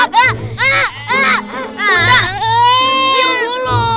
dut diam dulu